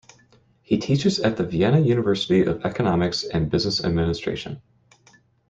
He teaches at the Vienna University of Economics and Business Administration.